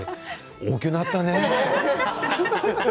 大きくなったね。